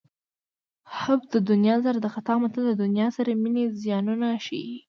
حب د دنیا سر د خطا متل د دنیا سره مینې زیانونه ښيي